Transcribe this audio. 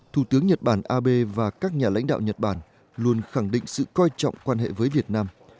thủ tướng nhật bản abe và các nhà lãnh đạo nhật bản luôn khẳng định sự coi trọng quan hệ với việt nam